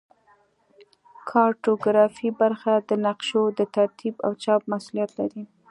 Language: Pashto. کارتوګرافي برخه د نقشو د ترتیب او چاپ مسوولیت لري